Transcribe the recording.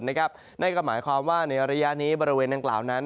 นั่นก็หมายความว่าในระยะนี้บริเวณดังกล่าวนั้น